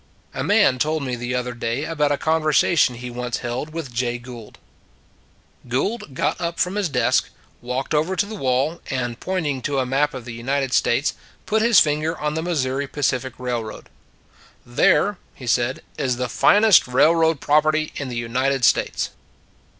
A man told me the other day about a conversation he once held with Jay Gould. Gould got up from his desk, walked over to the wall, and pointing to a map of the United States, put his finger on the Mis souri Pacific Railroad. " There," he said, " is the finest railroad property in the United States."